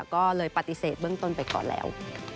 ก็เลยปฏิเสธเบื้องต้นไปก่อนแล้ว